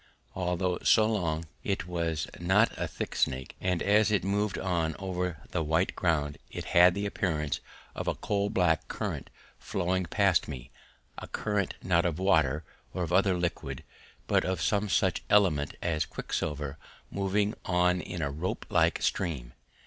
Although so long it was not a thick snake, and as it moved on over the white ground it had the appearance of a coal black current flowing past me a current not of water or other liquid but of some such element as quicksilver moving on in a rope like stream.